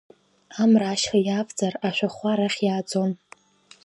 Амра ашьха иаавҵыр, ашәахәа арахь иааӡон.